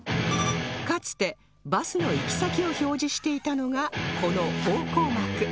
かつてバスの行き先を表示していたのがこの方向幕